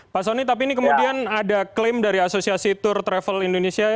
pak soni tapi ini kemudian ada klaim dari asosiasi tour travel indonesia